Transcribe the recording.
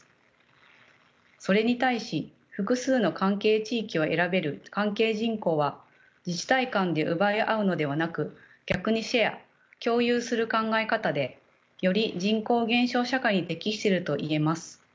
それに対し複数の関係地域を選べる関係人口は自治体間で奪い合うのではなく逆にシェア共有する考え方でより人口減少社会に適していると言えます。